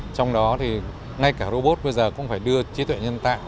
trong đó thì ngay cả robot bây giờ cũng phải đưa trí tuệ nhân tạo